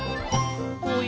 「おや？